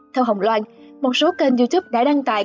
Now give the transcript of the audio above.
theo hồng loan một số kênh youtube đã đăng tải